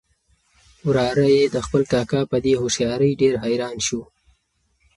وراره یې د خپل کاکا په دې هوښیارۍ ډېر حیران شو.